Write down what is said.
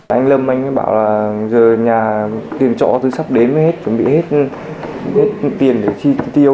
anh lâm anh ấy bảo là giờ nhà tiền trọ từ sắp đến mới chuẩn bị hết tiền để thi tiêu